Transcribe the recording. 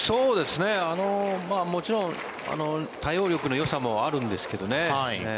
もちろん、対応力のよさもあるんですけどね。